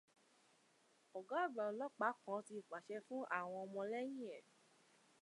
Ọ̀gá àgbà ọlọ́pàá kan ti pàṣẹ fún àwọn ọmọlẹ́yìn ẹ̀